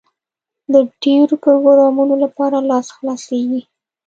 د ډېرو پروګرامونو لپاره لاس خلاصېږي.